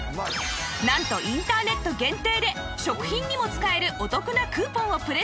なんとインターネット限定で食品にも使えるお得なクーポンをプレゼント！